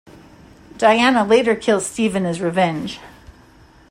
Diana later kills Stephen as revenge.